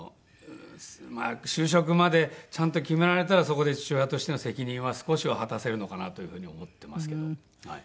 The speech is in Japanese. まあ就職までちゃんと決められたらそこで父親としての責任は少しは果たせるのかなという風に思ってますけどはい。